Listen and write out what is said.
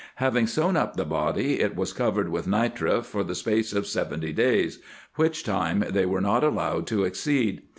Having sown up the body, it was covered with nitre for the space of seventy days, which time they were not allowed to exceed.